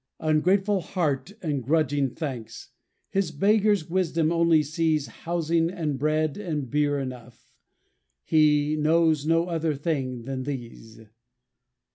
Ungrateful heart and grudging thanks, His beggar's wisdom only sees Housing and bread and beer enough; He knows no other things than these.